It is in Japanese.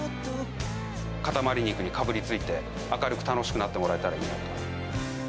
塊肉にかぶりついて、明るく楽しくなってもらえたらいいなと。